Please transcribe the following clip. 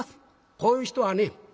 こういう人はね